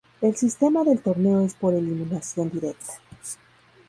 El sistema del torneo es por eliminación directa.